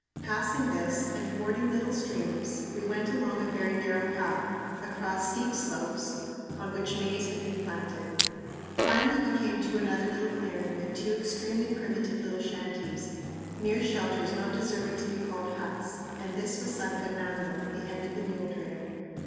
Passing this and fording little streams, we went along a very narrow path, across steep slopes, on which maize had been planted. Finally we came to another little clearing and two extremely primitive little shanties, mere shelters not deserving to be called huts; and this was San Fernando, the end of the mule trail.